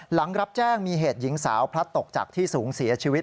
หลังรับแจ้งมีเหตุหญิงสาวพลัดตกจากที่สูงเสียชีวิต